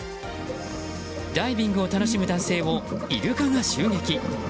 ダイビングを楽しむ男性をイルカが襲撃。